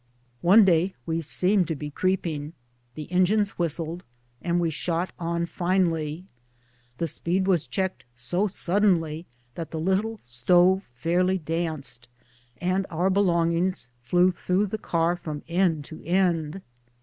One day we seemed to be creeping; the engines whistled, and we shot on finely. The speed was checked so suddenly that the little stove fairly danced, and our belongings flew through the car from end to end.